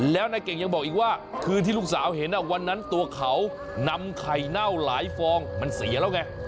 แล้วนายเก่งยังบอกอีกว่าคืนที่ลูกสาวเห็นวันนั้นตัวเขานำไข่เน่าหลายฟองมันเสียแล้วไง